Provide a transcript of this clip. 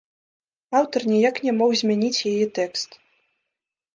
Аўтар ніяк не мог змяніць яе тэкст.